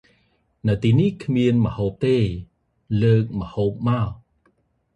នៅទីនេះ គ្មានម្ហូបទេ លើកម្ហូបមោ ។